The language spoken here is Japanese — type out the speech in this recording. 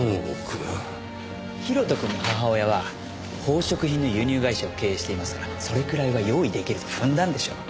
広斗くんの母親は宝飾品の輸入会社を経営していますからそれくらいは用意出来ると踏んだんでしょう。